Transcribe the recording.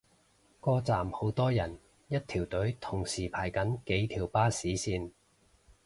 個站好多人，一條隊同時排緊幾條巴士線